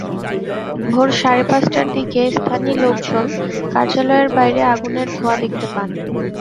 ভোর সাড়ে পাঁচটার দিকে স্থানী লোকজন কার্যালয়ের বাইরে আগুনের ধোঁয়া দেখতে পান।